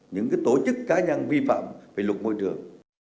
những tổ chức cá nhân vi phạm về luật môi trường